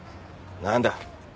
何だ？